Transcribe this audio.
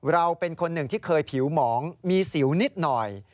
เราเป็นคนหนึ่งที่เคยผิวหมองมีสิวนิดหน่อย